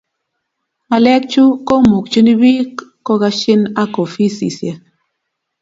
ngalek chuu komukchini pik kokashin ak ofisisiek